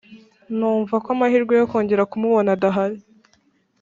numvako amahirwe yo kongera kumubona adahari